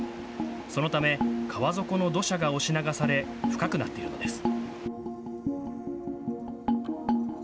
そのため川底の土砂が押し流され深くなっているのです。